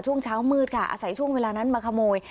ช่วงเช้ามืดค่ะอาศัยช่วงเวลานั้นมาขโมย